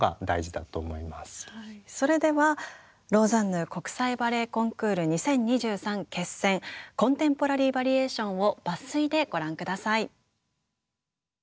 それでは「ローザンヌ国際バレエコンクール２０２３」決選コンテンポラリー・バリエーションを抜粋でご覧下さい。